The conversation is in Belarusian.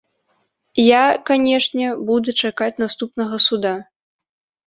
Я, канечне, буду чакаць наступнага суда.